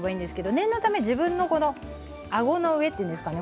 念のため、自分のあごの上というんですかね